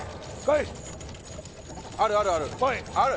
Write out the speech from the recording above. ・あるあるあるある！